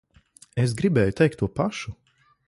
Es gribēju teikt to pašu.